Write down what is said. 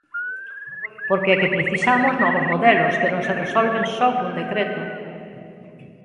Porque é que precisamos novos modelos que non se resolven só cun decreto.